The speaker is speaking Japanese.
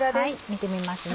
見てみますね。